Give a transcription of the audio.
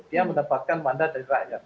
dia mendapatkan mandat dari rakyat